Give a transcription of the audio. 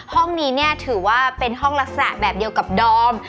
ห้องนี้เนี่ยถือว่าเป็นห้องลักษณะแบบเดียวกับดอม